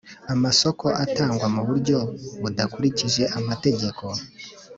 Amasoko atangwa mu buryo budakurikije amategeko